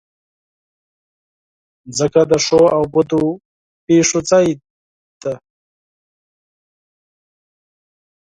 مځکه د ښو او بدو پېښو ځای ده.